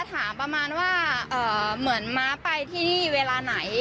ถามประมาณว่าเหมือนม้าไปที่นี่เวลาไหน